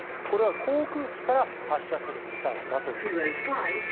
これは航空機から発射するミサイルだということです。